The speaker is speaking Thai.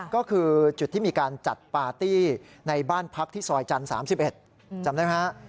ก็คือจุดที่มีการจัดปาร์ตี้ในบ้านพักที่ซอยจันทร์๓๑จำได้ไหมฮะ